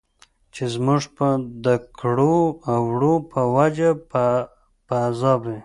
چې زموږ د کړو او وړو په وجه به په عذاب وي.